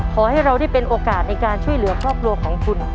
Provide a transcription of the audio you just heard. ขอให้เราได้เป็นโอกาสในการช่วยเหลือครอบครัวของคุณ